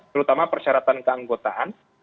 terutama persyaratan keanggotaan